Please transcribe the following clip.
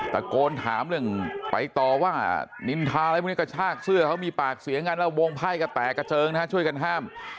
ตะโกนถามเรื่องไปต่อว่านินทาอะไรพวกนี้กระชากเสื้อเขามีปากเสียงกันแล้ววงไพ่ก็แตกกระเจิงนะฮะช่วยกันห้าม